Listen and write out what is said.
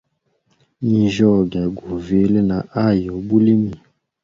Ninjyoge guvile na hayi ubulimi.